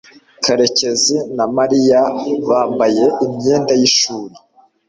karekezi na mariya bambaye imyenda y'ishuri